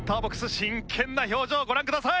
真剣な表情ご覧ください。